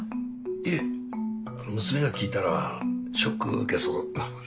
いえ娘が聞いたらショック受けそうなので。